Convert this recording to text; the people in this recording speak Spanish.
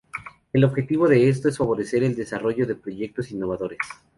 El objetivo de esto es favorecer el desarrollo de proyectos innovadores.